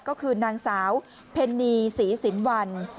ก็คือนางสาวเพนนีศรีศิลป์วัน